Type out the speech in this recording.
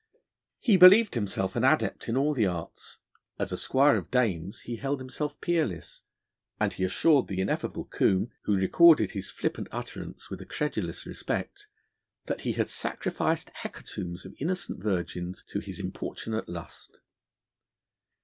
He believed himself an adept in all the arts; as a squire of dames he held himself peerless, and he assured the ineffable Combe, who recorded his flippant utterance with a credulous respect, that he had sacrificed hecatombs of innocent virgins to his importunate lust.